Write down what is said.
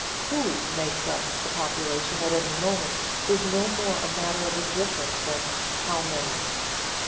"Who" make up the population at any moment is no more a matter of indifference than "how many."